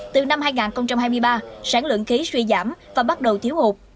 từ năm hai nghìn hai mươi ba sản lượng khí suy giảm và bắt đầu thiếu hụt